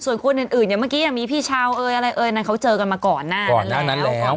ส่วนคนอื่นอย่างเมื่อกี้มีพี่ชาวเขาเจอกันมาก่อนนั้นแล้ว